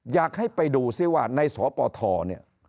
อยากให้ไปดูซิว่าในสปทเนี่ย